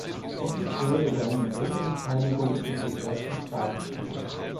Offiziell begann die Bürgerbeteiligung mit dem ersten Spatenstich.